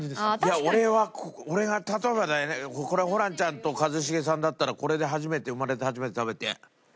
いや俺は俺が例えばだけどこれはホランちゃんと一茂さんだったらこれで初めて生まれて初めて食べて。